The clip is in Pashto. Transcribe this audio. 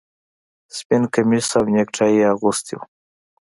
سپین کمیس او نیکټايي یې اغوستي وو